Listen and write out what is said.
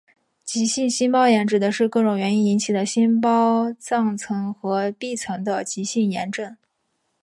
急性心包炎指的是各种原因引起的心包脏层和壁层的急性炎症。